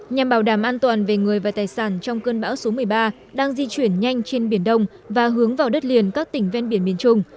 nhằm bảo đảm an toàn về người và tài sản trong cơn bão số một mươi ba đang di chuyển nhanh trên biển đông và hướng vào đất liền các tỉnh ven biển miền trung